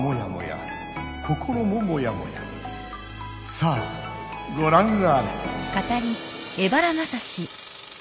さあごらんあれ！